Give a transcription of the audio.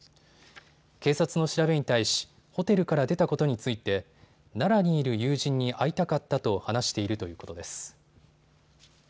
警察の調べに対しホテルから出たことについて奈良にいる友人に会いたかったと話しているということです。